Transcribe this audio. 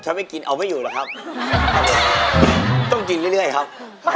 ครับผมก็หิวเหมือนกันครับ